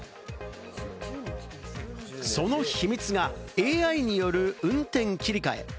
その秘密がＡＩによる運転切り替え。